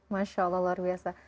masya allah luar biasa